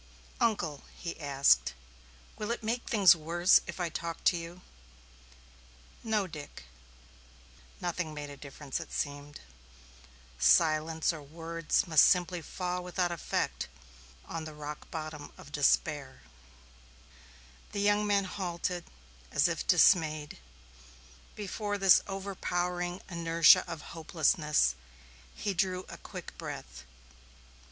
"Uncle," he asked, "will it make things worse if I talk to you?" "No, Dick." Nothing made a difference, it seemed. Silence or words must simply fall without effect on the rock bottom of despair. The young man halted, as if dismayed, before this overpowering inertia of hopelessness; he drew a quick breath.